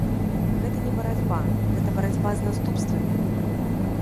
Гэта не барацьба, гэта барацьба з наступствамі.